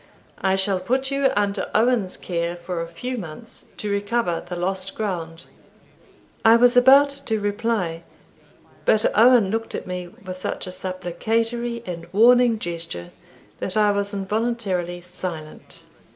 I shall put you under Owen's care for a few months, to recover the lost ground." I was about to reply, but Owen looked at me with such a supplicatory and warning gesture, that I was involuntarily silent.